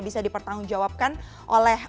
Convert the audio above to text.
bisa dipertanggungjawabkan oleh